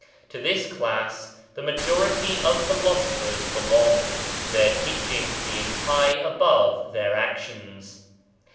To this class the majority of Philosophers belong, their teachings being high above their actions.